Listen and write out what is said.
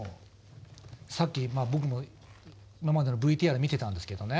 さっき僕も今までのＶＴＲ見てたんですけどね